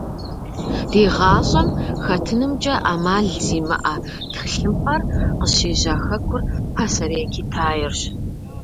Ди гъащӏэм хэтынымкӏэ ӏэмал зимыӏэ тхылъымпӏэр къыщежьа хэкур – Пасэрей Китаирщ.